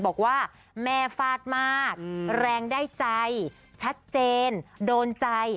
บอกว่าแม่ฟาดมากแรงได้ใจชัดเจนโดนใจ